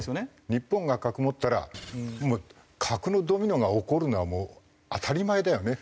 日本が核持ったら核のドミノが起こるのはもう当たり前だよね。